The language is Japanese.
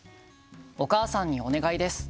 「お母さんにお願いです。